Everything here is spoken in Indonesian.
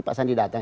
pak sandi datang